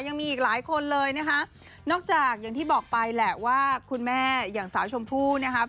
ยังมีอีกหลายคนเลยนะคะนอกจากอย่างที่บอกไปแหละว่าคุณแม่อย่างสาวชมพู่นะครับ